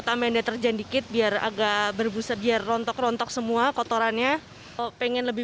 tambahin deterjen dikit biar agak berbusa biar rontok rontok semua kotorannya pengen lebih